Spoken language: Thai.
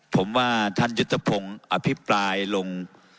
ผมว่าท่านยุทธพงศ์อภิปรายลง